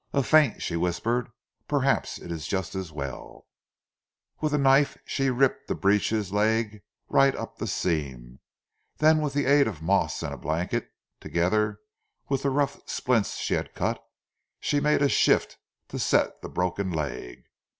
"A faint," she whispered. "Perhaps it is just as well." With a knife she ripped the breeches leg right up the seam, then with the aid of moss and a blanket, together with the rough splints she had cut, she made a shift to set the broken leg.